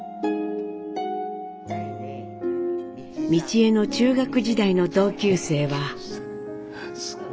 美智榮の中学時代の同級生は。